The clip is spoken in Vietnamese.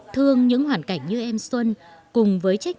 thương những hoàn cảnh như em xuân